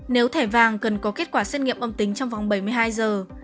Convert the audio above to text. nếu thẻ vàng cần có kết quả xét nghiệm âm tính trong vòng bảy mươi hai giờ